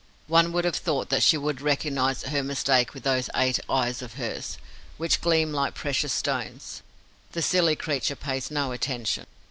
One would have thought that she would recognize her mistake with those eight eyes of hers, which gleam like precious stones. The silly creature pays no attention.